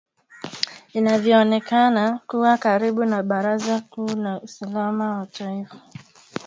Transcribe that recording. inayoonekana kuwa karibu na baraza kuu la usalama la taifa la nchi hiyo